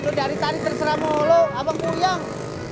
lo dari tadi terserah mulu abang kuyang